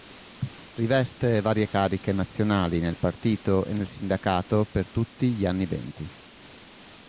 Riveste varie cariche nazionali nel partito e nel sindacato per tutti gli anni venti.